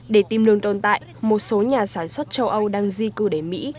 để tìm lường tồn tại một số nhà sản xuất châu âu đang di cư đến mỹ